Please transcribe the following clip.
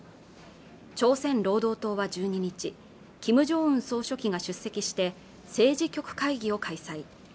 朝鮮労働党は１２日キム・ジョンウン総書記が出席して政治局会議を開催